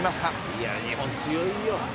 いやぁ、日本、強いよ。